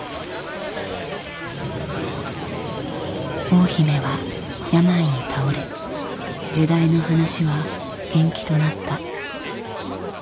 大姫は病に倒れ入内の話は延期となった。